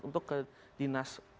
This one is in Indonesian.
untuk ke dinas